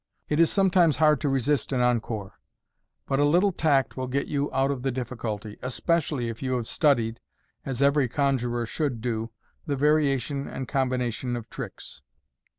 It is sometimes hard to resist an encore, but a little tact will get you out of the difficulty, especially if you have studied, as every conjuror should MODERN MAGIC. do, the variation and combination of tricks.